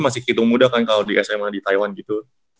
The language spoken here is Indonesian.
masih hitung muda kan kalo di sma di taiwan gitu